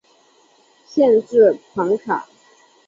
县治庞卡。